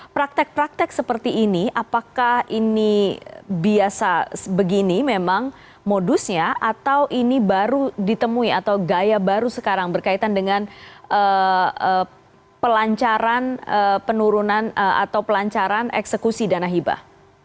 praktek praktek seperti ini apakah ini biasa begini memang modusnya atau ini baru ditemui atau gaya baru sekarang berkaitan dengan pelancaran penurunan atau pelancaran eksekusi dana hibah